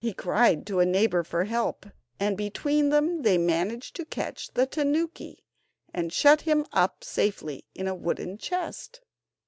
He cried to a neighbour for help, and between them they managed to catch the tanuki, and shut him up safely in a wooden chest.